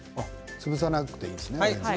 潰さなくていいんです。